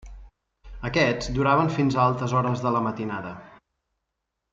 Aquests duraven fins a altes hores de la matinada.